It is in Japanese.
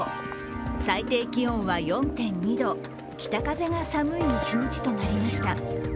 最低気温は４．２度北風が寒い一日となりました。